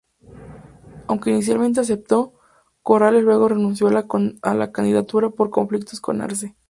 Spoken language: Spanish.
Aunque inicialmente aceptó, Corrales luego renunció a la candidatura por conflictos con Arce.